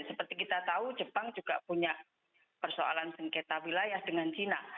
seperti kita tahu jepang juga punya persoalan sengketa wilayah dengan cina